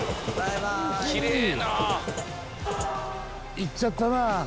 行っちゃったな。